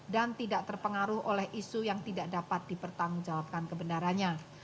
dan tidak terpengaruh oleh isu yang tidak dapat dipertanggungjawabkan kebenarannya